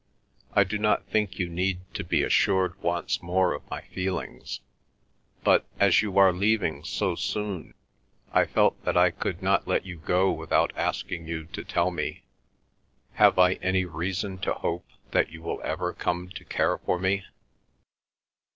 I do not think you need to be assured once more of my feelings; but, as you are leaving so soon, I felt that I could not let you go without asking you to tell me—have I any reason to hope that you will ever come to care for me?"